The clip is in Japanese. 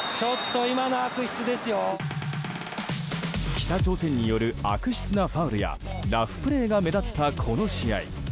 北朝鮮による悪質なファウルやラフプレーが目立ったこの試合。